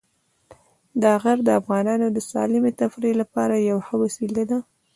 دا غر د افغانانو د سالمې تفریح لپاره یوه ښه وسیله ده.